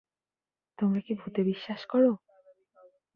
তোমরা কি ভূতে বিশ্বাস করো?